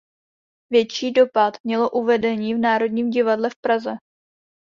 Větší dopad mělo uvedení v Národním divadle v Praze.